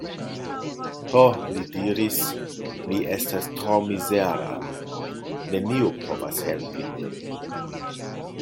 Ho, li diris, mi estas tro mizera; neniu povas helpi min.